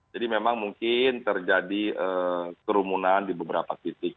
memang mungkin terjadi kerumunan di beberapa titik